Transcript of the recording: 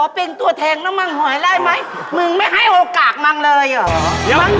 ไปกันใหญ่แล้วนี่อะไรเนี่ย